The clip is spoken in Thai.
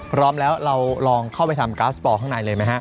พร้อมแล้วเราลองเข้าไปทำก๊าสปอร์ข้างในเลยไหมฮะ